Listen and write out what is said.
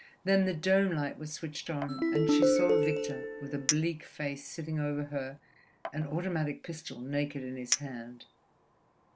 Then the dome light was switched on, and she saw Victor with a bleak face sitting over her, an automatic pistol naked in his hand.